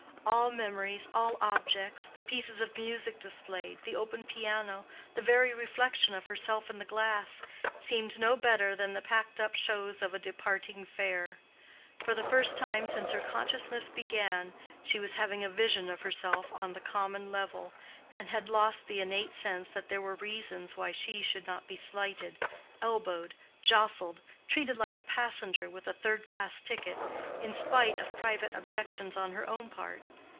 All memories, all objects, the pieces of music displayed, the open piano—the very reflection of herself in the glass—seemed no better than the packed up shows of a departing fair. For the first time since her consciousness began, she was having a vision of herself on the common level, and had lost the innate sense that there were reasons why she should not be slighted, elbowed, jostled—treated like a passenger with a third class ticket, in spite of private objections on her own part.